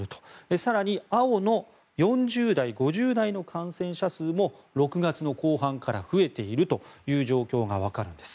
更に、青の４０代、５０代の感染者数も６月の後半から増えているという状況がわかるんです。